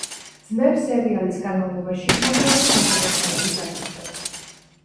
ძმებს სერიალის განმავლობაში უამრავი თავგადასავალი გადახდათ.